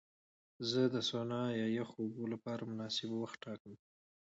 زه د سونا یا یخو اوبو لپاره مناسب وخت ټاکم.